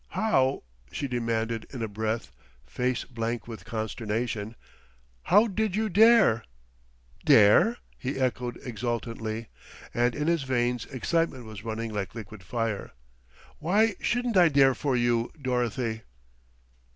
"How," she demanded in a breath, face blank with consternation, "how did you dare?" "Dare?" he echoed exultantly; and in his veins excitement was running like liquid fire. "What wouldn't I dare for you, Dorothy?"